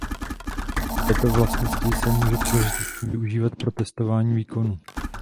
Této vlastnosti se může příležitostně využívat pro testování výkonu.